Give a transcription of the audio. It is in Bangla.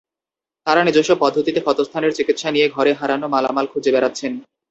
তাঁরা নিজস্ব পদ্ধতিতে ক্ষতস্থানের চিকিৎসা নিয়ে ঘরের হারানো মালামাল খুঁজে বেড়াচ্ছেন।